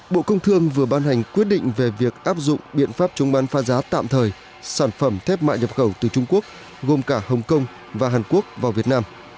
bộ công thương vừa ban hành quyết định về việc áp dụng biện pháp chống bán pha giá tạm thời sản phẩm thép mạ nhập khẩu từ trung quốc gồm cả hồng kông và hàn quốc vào việt nam